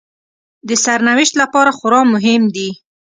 د سرنوشت لپاره خورا مهم دي